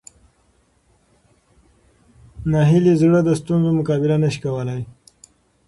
ناهیلي زړه د ستونزو مقابله نه شي کولی.